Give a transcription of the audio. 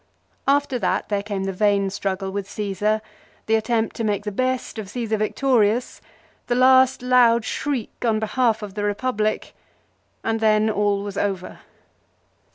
After that there came the vain struggle with Caesar, the attempt to make the best of Caesar victorious, the last loud shriek on behalf of the Republic ; and then all was over.